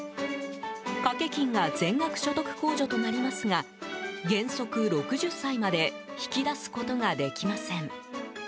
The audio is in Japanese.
掛け金が全額所得控除となりますが原則６０歳まで引き出すことができません。